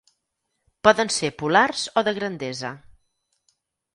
Poden ser polars o de grandesa.